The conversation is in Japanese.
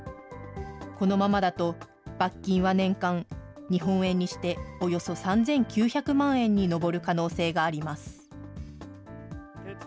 このままだと、罰金は年間、日本円にしておよそ３９００万円に上る可能性があります。